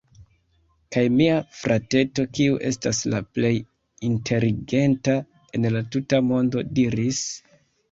Kaj mia frateto, kiu estas la plej inteligenta en la tuta mondo, diris: